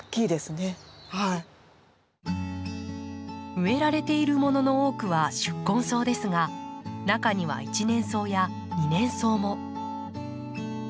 植えられているものの多くは宿根草ですが中には一年草や二年草も。